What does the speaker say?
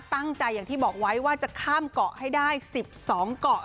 อย่างที่บอกไว้ว่าจะข้ามเกาะให้ได้๑๒เกาะ